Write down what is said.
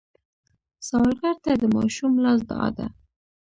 سوالګر ته د ماشوم لاس دعا ده